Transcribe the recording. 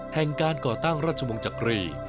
แห่งการก่อตั้งราชวงศ์จักรี